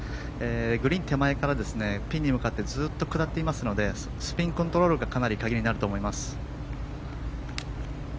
グリーン手前からピンに向かってずっと下っていますのでスピンコントロールがかなり鍵になると思います。